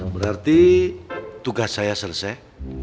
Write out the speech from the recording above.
berarti tugas saya selesai